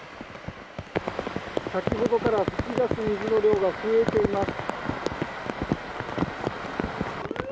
先ほどから噴き出す水の量が増えています。